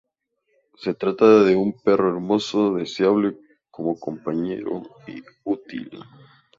Se trata de un perro hermoso, deseable como compañero y útil.